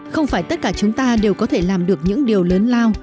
không phải tất cả chúng ta đều có thể làm được những điều lớn lao